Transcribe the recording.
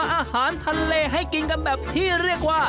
อาหารทะเลให้กินกันแบบที่เรียกว่า